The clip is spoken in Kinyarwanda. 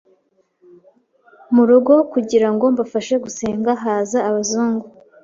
mu rugo kugirango mbafashe gusenga , haza abazungu.